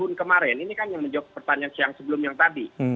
namun kemarin ini kan yang menjawab pertanyaan siang sebelum yang tadi